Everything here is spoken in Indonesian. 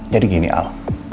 jadi gini al